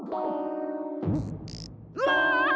うわ！